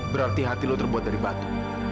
berarti hati lu terbuat dari batu